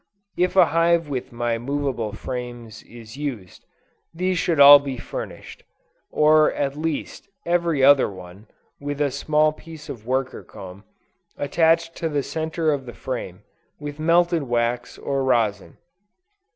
If a hive with my movable frames is used, these should all be furnished, or at least, every other one, with a small piece of worker comb, attached to the center of the frame, with melted wax or rosin.